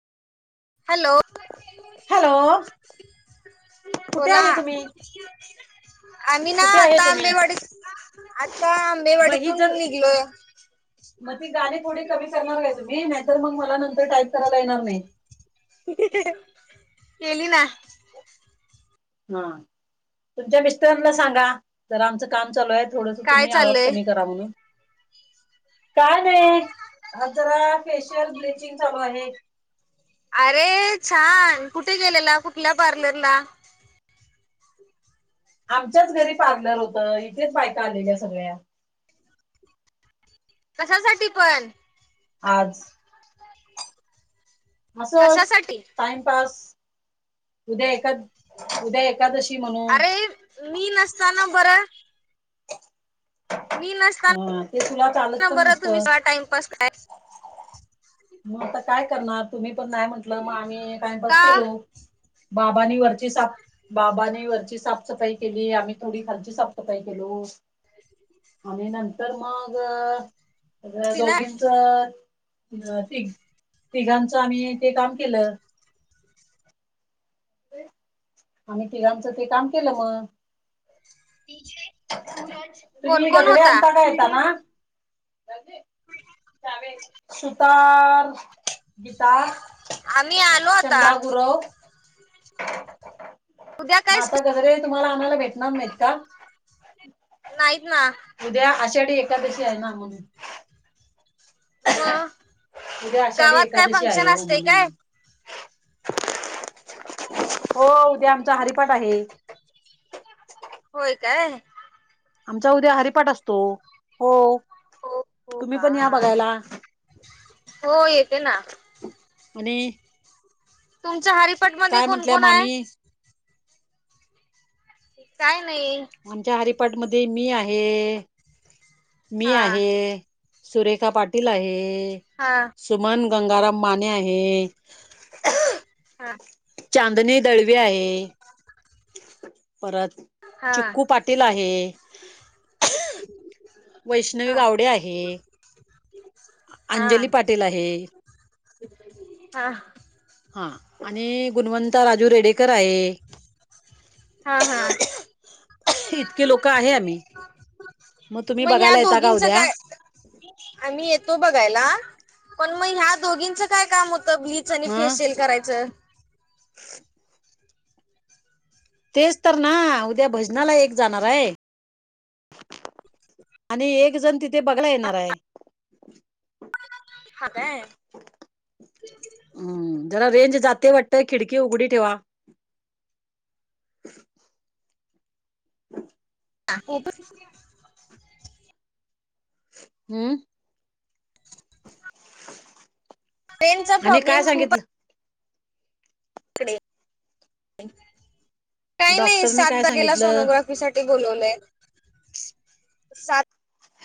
Hello! Hello, कुठे बोला आहे तुम्ही? आम्ही ना कुठे आहे आता तुम्ही आंबेवाडीत आता मग ही आंबेवाडीतून जर निघलोय मग ती गाणी थोडी कमी करणार काय तुम्ही नाहीतर मग मला नंतर टाईप करायला येणार नाही. केली ना हा तुमच्या मिस्टराना सांगा जरा आमचं काम चालू आहे थोडस काय तुम्ही आवाज चाललय कमी करा म्हणून काय नाही आज जरा फेशियल ब्लचिंग चालू आहे अरे छान! कुठे गेलेला? कुठल्या पार्लरला? आमच्याच घरी पार्लर होतं इथेच बायका आलेल्या सगळ्या कशासाठी पण? आज असं कशासाठी टाइमपास उद्या एकदास अरे मी नसताना बरं मी नसताना हा ते तुला चालत पण बरं तुम्ही नसतं सगळा टाइमपास काय? मग आता काय करणार तुम्ही पण नाही म्हंटलं मग आम्ही टाइमपास का केलो बाबानी वरची साप बाबानी वरची साफसफाई केली आम्ही थोडी खालची साफसफाई केलो आणि नंतर मग ना दोघींच अ अ तिघ तिघांचं आम्ही ते काम केलं आम्ही तिघाचं ते काम केलं मग कोण तुम्ही कोण होता? झाले सुतार गीता, आम्ही आलो आता चंदा गुरव उद्या काय स्पेशल? सदरे तुम्हाला आणायला भेटणार नाहीत का? हम्. नाहीत ना. उद्या आषाढी एकादशी आहे ना म्हणून. मग उद्या आषाढी गावात काय एकादशी आहे फंक्शन हो असते काय म्हणून. हो उद्या आमचा हरिपाट आहे. होय काय? आमचा उद्या हरिपाट असतो. हो. हो. हो तुम्ही का? पण या बघायला हो येते ना. आणि? तुमच्या हरिपाठ मध्ये काय कोण म्हंटल्या कोण आहे? मामी काय नाही. आमच्या हरिपाठ मध्ये मी आहे मी हा आहे. सुरेखा पाटील आहे. हा सुमन गंगाराम माने आहे. हा चांदने दळवे आहे. परत हा चिक्कू पाटील आहे. वैष्णवी हा गावडे आहे. [inaudible] हा अंजली पाटील आहे. हा हा आणि गुणवंता राजू रेडेकर आहे. हा हा इतके लोक आहे आम्ही. तुम्ही मग या बघायला येता का दोघींच उद्या काय? आम्ही येतो बघायला, पण मग ह्या दोघींच काय काम होतं की, चिनी ह फेशियल करायचं. तेच तर ना उद्या भजनाला एक जाणार आहे. आणि एक जण तिथे बघला येणार आहे. हा काय. हा जरा रेंज जाते वाटतय खिडकी उघडी ठेवा. [inaudible] ह [inaudible] हम्म पेन चा आणि काय प्रॉब्लेम खूप आहे. सांगितलं इकडे काही नाही डॉक्टरनी काय सात तारीला सांगितलं सोनोग्राफीसाठी- साठी बोलवलय. सात